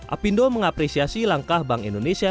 apindo mengapresiasi langkah bank indonesia